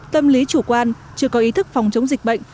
tâm lý chủ quan chưa có ý thức phòng chống dịch bệnh